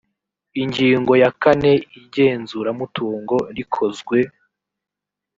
ingingo ya kane ingenzuramutungo rikozwe